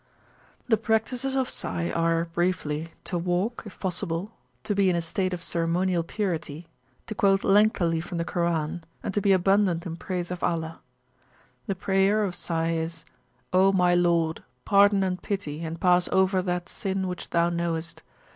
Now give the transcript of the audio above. The practices of Sai are, briefly, to walk, if possible, to [p.289] be in a state of ceremonial purity, to quote lengthily from the Koran, and to be abundant in praise of Allah. The prayer of Sai is, O my Lord, Pardon and Pity, and pass over that (Sin) which Thou knowest.